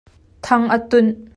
Thang a tunh.